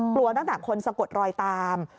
กลัวตั้งแต่คนสะกดรอยตาม